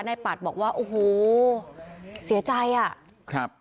ปัดบอกว่าโอ้โหเสียใจอ่ะครับ